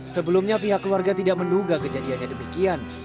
sebelumnya pihak keluarga tidak menduga kejadiannya demikian